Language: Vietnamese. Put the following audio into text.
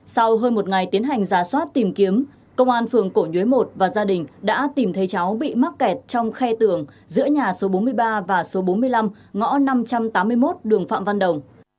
sau hơn một ngày tiến hành giả soát tìm kiếm công an phường cổ nhuế một và gia đình đã tìm thấy cháu bị mắc kẹt trong khe tường giữa nhà số bốn mươi ba và số bốn mươi năm ngõ năm trăm tám mươi một đường phạm văn đồng